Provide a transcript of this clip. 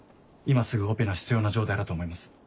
今すぐオペが必要な状態だと思います。